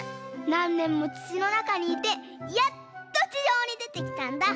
なんねんもつちのなかにいてやっとちじょうにでてきたんだ。